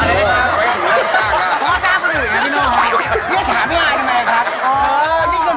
เพราะถึงเลิกจ้าง